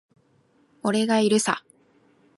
俺がいるさ。